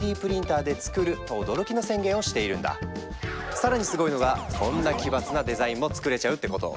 更にすごいのがこんな奇抜なデザインもつくれちゃうってこと！